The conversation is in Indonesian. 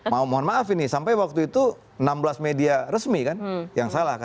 mau mohon maaf ini sampai waktu itu enam belas media resmi kan yang salah